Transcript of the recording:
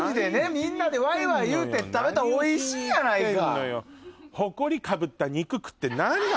みんなでワイワイ言うて食べたらおいしいやないか！